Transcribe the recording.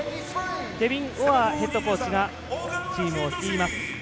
ケビン・オアーヘッドコーチがチームを率います。